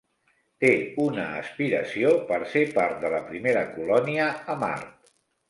Té una aspiració per ser part de la primera colònia a Mart.